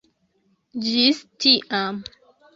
Ĝis tiam.